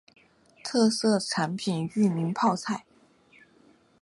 特色产品裕民泡菜。